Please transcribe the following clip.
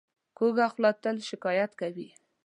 کوږه خوله تل شکایت کوي